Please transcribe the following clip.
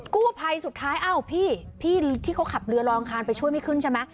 กู้ภัยสุดท้ายอ้าวพี่พี่ที่เขาขับเรือรออังคารไปช่วยไม่ขึ้นใช่ไหม